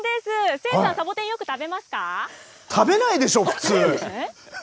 千さん、サボテン、食べないでしょう、普通。